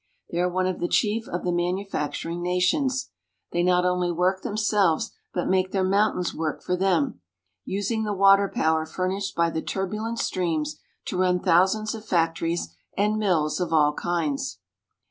They are one of the chief of the manufactur ing nations. They not only work them selves, but make their mountains work for them, using the water power furnished by the turbulent streams to run thousands of factories and mills of all kinds.